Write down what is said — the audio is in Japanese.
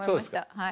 はい。